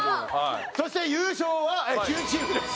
そして優勝はキュンチームです。